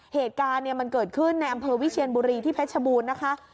เหตุการณ์เนี่ยมันเกิดขึ้นในอำเภอวิเชียนบุรีที่เพชรบูรณ์นะคะ